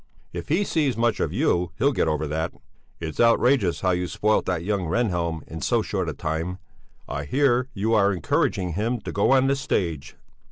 "If he sees much of you, he'll get over that. It's outrageous how you spoilt that young Rehnhjelm in so short a time. I hear you are encouraging him to go on the stage."